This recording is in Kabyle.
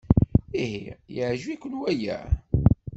Ihi yeɛjeb-iken waya?